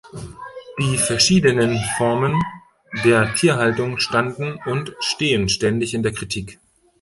Die verschiedenen Formen der Tierhaltung standen und stehen ständig in der Kritik.